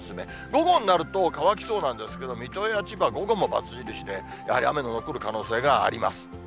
午後になると、乾きそうなんですけど、水戸や千葉、午後も×印で、やはり雨の残る可能性があります。